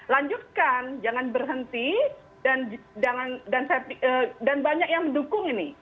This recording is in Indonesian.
lanjutkan jangan berhenti dan banyak yang mendukung ini